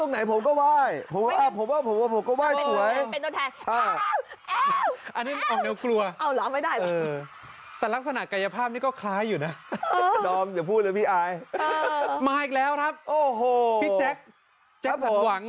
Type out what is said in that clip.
เห็นคนก็กรี๊ดกันนะพี่น้ำแขง